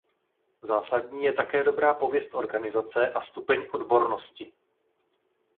Zásadní je také dobrá pověst organizace a stupeň odbornosti.